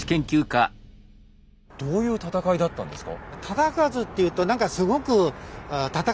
どういう戦いだったんですか？